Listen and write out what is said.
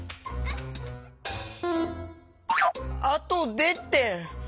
あとでって。